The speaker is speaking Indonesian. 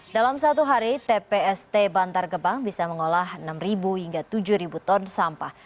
dalam satu hari tpst bantar gebang bisa mengolah enam hingga tujuh ton sampah